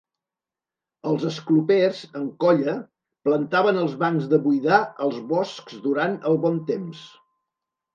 Els esclopers, en colla, plantaven els bancs de buidar als boscs durant el bon temps.